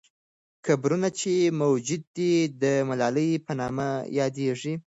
قبرونه چې موجود دي، د ملالۍ په نامه یادیږي.